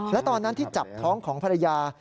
และตอนนั้นที่จับท้องของภรรยา